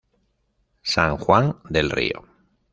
San Juan del Río.